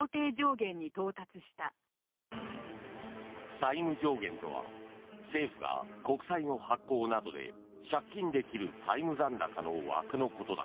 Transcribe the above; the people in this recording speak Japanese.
債務上限とは政府が国債の発行などで借金できる債務残高の枠のことだ。